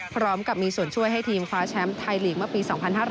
พร้อมกับมีส่วนช่วยให้ทีมคว้าแชมป์ไทยลีกเมื่อปี๒๕๕๘